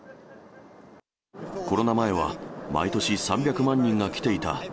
コロナ前は毎年３００万人が来ていた。